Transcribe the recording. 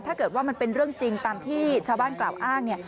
ถ้าเกิดว่ามันเป็นเรื่องจริงตามที่ชาวบ้านกล่าวอ้างเนี่ย